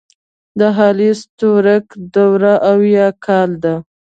د هالی ستورک دوره اويا کاله ده.